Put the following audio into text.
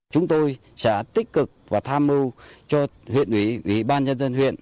chúng tôi sẽ tích cực và tham mưu cho huyện ủy ủy ban nhân dân huyện